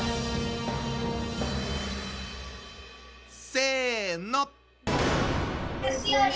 せの。